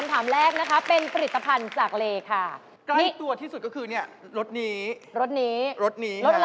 แด๊คแด็คแด๊คแด๊คได้แค่นี้แหละ